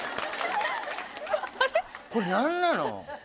これ何なの？